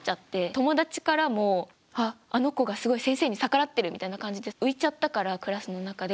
友達からもあっあの子がすごい先生に逆らってるみたいな感じで浮いちゃったからクラスの中で。